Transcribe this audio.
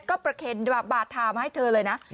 ก็ประเคนบาธามาให้เธอเลยนะ